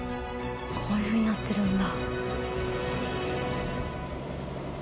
こういうふうになってるんだ。